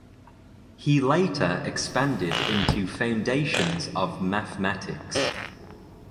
He later expanded into foundations of mathematics.